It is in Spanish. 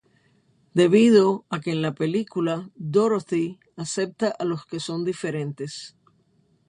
Debido a que en la película Dorothy acepta a los que son diferentes.